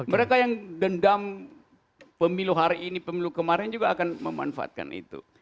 mereka yang dendam pemilu hari ini pemilu kemarin juga akan memanfaatkan itu